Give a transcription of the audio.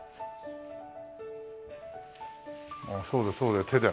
ああそうだそうだ手で。